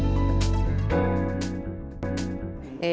nah nah nah